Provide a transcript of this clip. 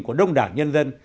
của đông đảng nhân dân